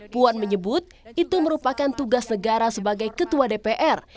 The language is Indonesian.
puan menyebut itu merupakan tugas negara sebagai ketua dpr